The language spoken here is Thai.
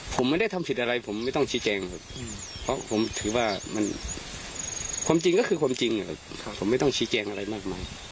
ผมไม่ได้ทำผิดอะไรผมไม่ต้องชี้แจงครับเพราะผมถือว่ามันความจริงก็คือความจริงนะครับผมไม่ต้องชี้แจงอะไรมากมาย